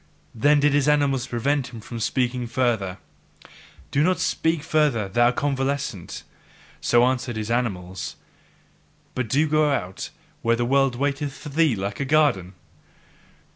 Then did his animals prevent him from speaking further. "Do not speak further, thou convalescent!" so answered his animals, "but go out where the world waiteth for thee like a garden.